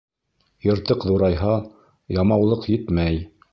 Йыртыҡ ҙурайһа, ямаулыҡ етмәй.